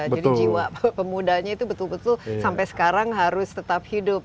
jadi jiwa pemudanya itu betul betul sampai sekarang harus tetap hidup